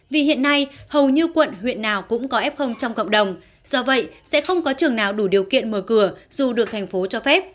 vì hiện nay hầu như quận huyện nào cũng có f trong cộng đồng do vậy sẽ không có trường nào đủ điều kiện mở cửa dù được thành phố cho phép